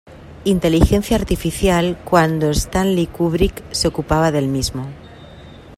Inteligencia artificial" cuando Stanley Kubrick se ocupaba del mismo.